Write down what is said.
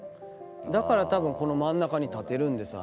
だから多分この真ん中に立てるんですあの人。